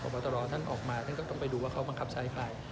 บอตรท่านออกมาท่านก็ต้องไปดูว่าเขาบังคับใช้ใคร